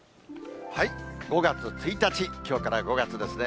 ５月１日、きょうから５月ですね。